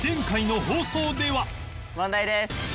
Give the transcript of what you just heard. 問題です。